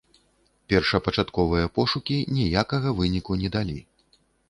Першапачатковыя пошукі ніякага выніку не далі.